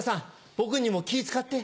僕にも気ぃ使って！